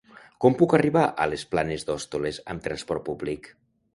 Com puc arribar a les Planes d'Hostoles amb trasport públic?